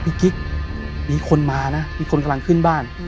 กิ๊กมีคนมานะมีคนกำลังขึ้นบ้าน